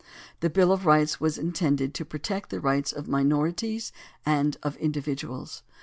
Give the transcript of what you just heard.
The bill of rights was intended to protect the rights of minorities and of individuals.